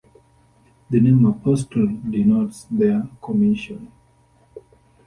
The name "apostle" denotes their commission.